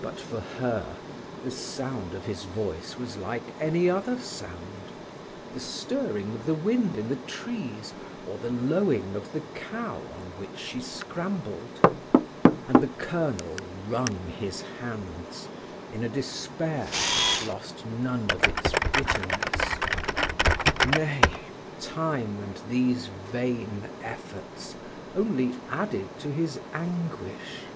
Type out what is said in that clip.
But for her the sound of his voice was like any other sound, the stirring of the wind in the trees, or the lowing of the cow on which she scrambled; and the colonel wrung his hands in a despair that lost none of its bitterness; nay, time and these vain efforts only added to his anguish.